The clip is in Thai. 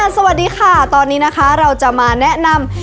สวัสดีค่ะตอนนี้นะคะเราจะมาแนะนำ